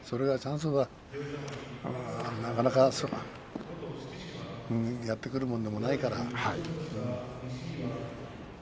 チャンスは、なかなかやってくるもんでもないから。